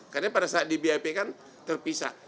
karena pada saat di bap kan terpisah